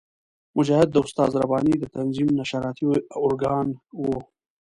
مجاهد د استاد رباني د تنظیم نشراتي ارګان وو.